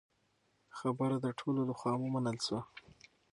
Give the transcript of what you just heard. خبره د ټولو له خوا ومنل شوه.